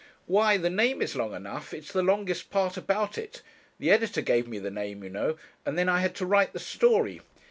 'Why, the name is long enough; it's the longest part about it. The editor gave me the name, you know, and then I had to write the story.